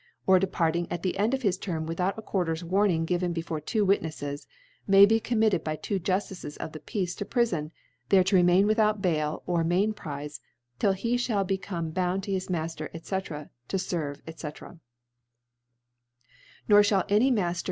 or de» parting at the End of hi^^Term without a Quarter's Warning given before two Wit nefles, may be committed t^y two Juflices of the Peace to PrUbn, there to remain without Bail or Mainprize, till he (hall be comebound to hisMafter, fef^. toferve,&ff *.* Nor fhall any Mafter i.